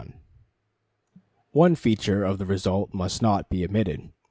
One feature of the result must not be omitted.